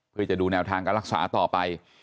เพื่อจะดูแนวทางการรักษาต่อไป